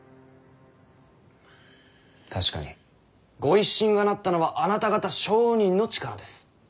確かに御一新がなったのはあなた方商人の力です。